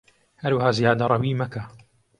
هەروەها زیادەڕەویی مەکە